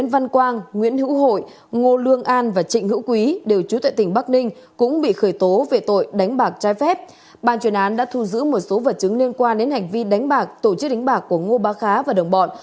bản chuyên án đã thu giữ một số vật chứng liên quan đến hành vi đánh bạc tổ chức đánh bạc của ngô bà khá và đồng bọn